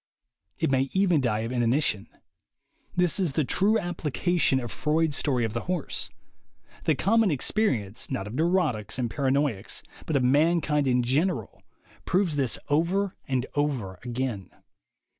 It may even die of inanition. This is the true application of Freud's story of the horse. The common experience, not of neurotics and paranoiacs, but of mankind in general, proves this over and over again.